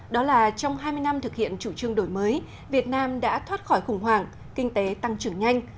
đó là trong hai mươi năm thực hiện chủ trương đổi mới việt nam đã thoát khỏi khủng hoảng kinh tế tăng trưởng nhanh